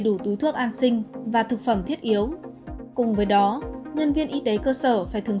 đủ túi thuốc an sinh và thực phẩm thiết yếu cùng với đó nhân viên y tế cơ sở phải thường